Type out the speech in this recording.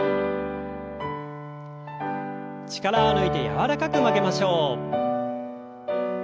力を抜いて柔らかく曲げましょう。